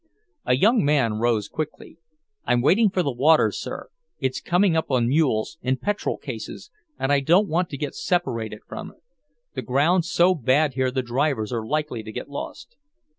A young man rose quickly. "I'm waiting for the water, sir. It's coming up on mules, in petrol cases, and I don't want to get separated from it. The ground's so bad here the drivers are likely to get lost."